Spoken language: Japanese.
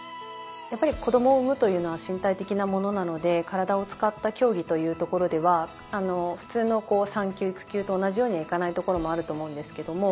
やっぱり子供を産むというのは身体的なものなので体を使った競技というところでは普通の産休育休と同じようには行かないところもあると思うんですけども。